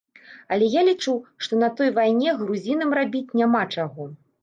Але я лічу, што на той вайне грузінам рабіць няма чаго.